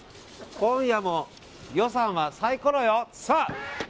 今夜も予算はサイコロよ！